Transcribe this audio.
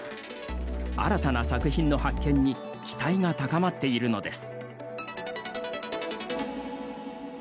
新たな作品の発見に期待が高まっているのです。